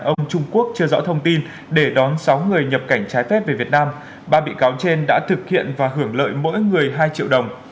ông trung quốc chưa rõ thông tin để đón sáu người nhập cảnh trái phép về việt nam ba bị cáo trên đã thực hiện và hưởng lợi mỗi người hai triệu đồng